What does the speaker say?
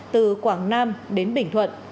từ quảng nam đến bình thuận